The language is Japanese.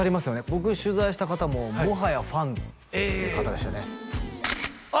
僕取材した方ももはやファンって方でしたねあ！